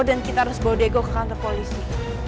dan kita harus bawa diego ke counter polisi